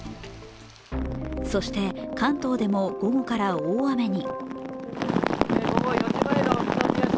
そして、関東でも午後から大雨に。